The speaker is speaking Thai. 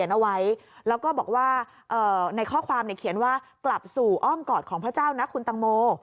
ในข้อความเขียนว่ากลับสู่อ้อมกอดของพระเจ้านะคุณแตงโม